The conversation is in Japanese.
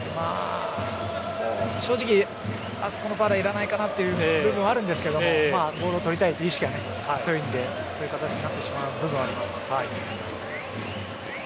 正直、あそこのファウルはいらないかなという部分もあるんですが取りたいという意識が強いのでそういう形になってしまう部分はあります。